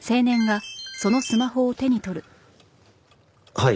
はい。